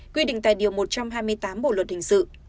quyết định tải điều một trăm hai mươi tám bộ luật hình sự